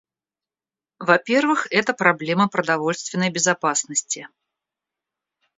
Во-первых, это проблема продовольственной безопасности.